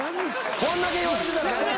こんだけ言われてたら。